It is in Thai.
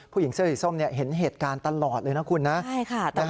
ผู้หญิงเสื้อสีส้มเห็นเหตุการณ์ตลอดเลยนะคุณนะ